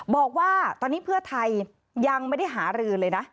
บอกว่าตอนนี้เพื่อไทยยังไม่ได้หารือเลยนะ